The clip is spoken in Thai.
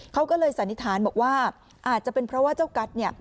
เขาก็เลยสันนิษฐานบอกว่าอาจจะเป็นเพราะว่าเจ้ากัสเนี่ย